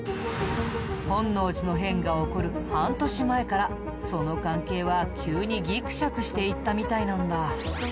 本能寺の変が起こる半年前からその関係は急にギクシャクしていったみたいなんだ。